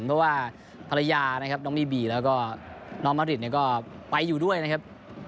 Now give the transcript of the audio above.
เพราะว่าภรรยานะครับน้องบีบีแล้วก็น้องมะริดเนี่ยก็ไปอยู่ด้วยนะครับ